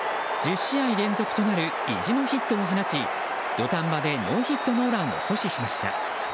１０試合連続となる意地のヒットを放ち土壇場でノーヒットノーランを阻止しました。